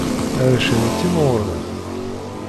Arrac-nni ttimɣuren.